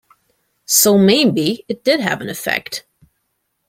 So maybe it did have an effect.